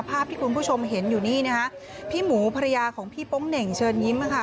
ภาพที่คุณผู้ชมเห็นอยู่นี่นะคะพี่หมูภรรยาของพี่โป๊งเหน่งเชิญยิ้มค่ะ